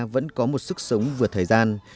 vẫn có một sức sống vượt thời gian